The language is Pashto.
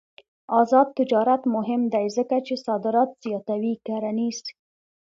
آزاد تجارت مهم دی ځکه چې صادرات زیاتوي کرنيز.